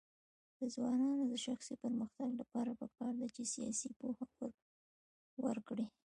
د ځوانانو د شخصي پرمختګ لپاره پکار ده چې سیاست پوهه ورکړي.